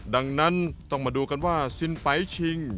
ดังนั้นต้องมาดูกันว่าสินไฟล์ชิง